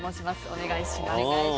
お願いします。